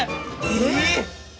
えっ！